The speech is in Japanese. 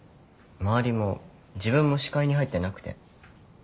周りも自分も視界に入ってなくて。